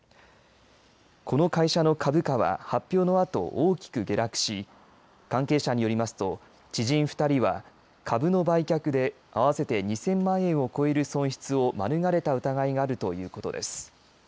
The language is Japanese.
この会社の株価は発表のあと大きく下落し関係者によりますと知人２人は株の売却で合わせて２０００万円を超える損失を免れた疑いがあるということです。